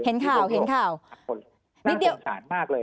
เห็นข่าวหน้าสงสารมากเลย